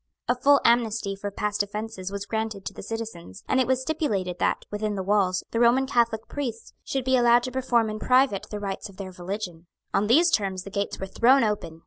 A full amnesty for past offences was granted to the citizens; and it was stipulated that, within the walls, the Roman Catholic priests should be allowed to perform in private the rites of their religion. On these terms the gates were thrown open.